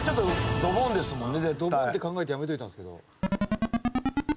ドボンって考えてやめておいたんですけど。